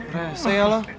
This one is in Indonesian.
resah ya loh